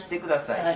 はい。